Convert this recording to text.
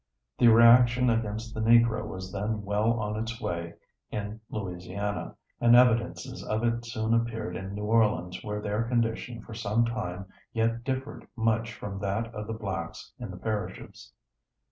The reaction against the Negro was then well on its way in Louisiana and evidences of it soon appeared in New Orleans where their condition for some time yet differed much from that of the blacks in the parishes.